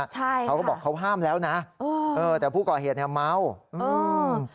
ใช่ค่ะเขาก็บอกเขาห้ามแล้วนะแต่ผู้ก่อเหน่าเมาอืม